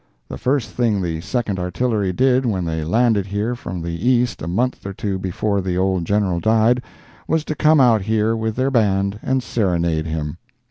The first thing the Second Artillery did when they landed here from the East a month or two before the old General died, was to come out here with their band and serenade him.